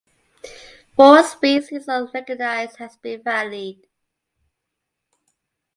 Four species are recognized as being valid.